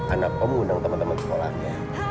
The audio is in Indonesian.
anak om ngundang temen temen sekolahnya